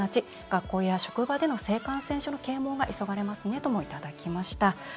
学校や職場での性感染症の啓もうが急がれますね」ともいただきました。